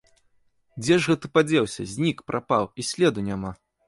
Дзе ж гэты падзеўся, знік, прапаў, і следу няма!